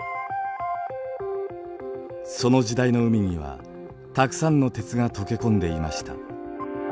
その時代の海にはたくさんの鉄が溶け込んでいました。